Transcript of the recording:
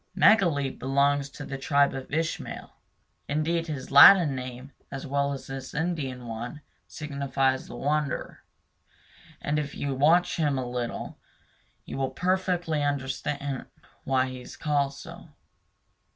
Megaleep belongs to the tribe of Ishmael. Indeed, his Latin name, as well as his Indian one, signifies The Wanderer; and if you watch him a little while you will understand perfectly why he is called so.